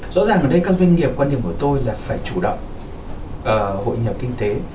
rõ ràng ở đây các doanh nghiệp quan điểm của tôi là phải chủ động hội nhập kinh tế